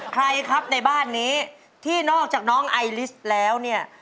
ใครครับในบ้านนี้ที่นอกจากน้องไอลิสแล้วเนี่ย